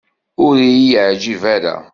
Ur iyi-yeɛǧib ara.